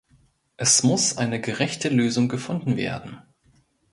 Es muss eine gerechte Lösung gefunden werden.